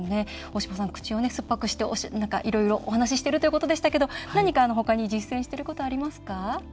大島さん、口を酸っぱくしていろいろお話ししているということでしたが何か、ほかに実践していることありますか。